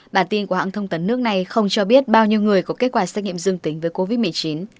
bản tin của hãng thông tấn nước này không cho biết bao nhiêu người có kết quả xét nghiệm dương tính với covid một mươi chín